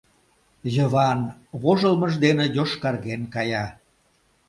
Йыван вожылмыж дене йошкарген кая.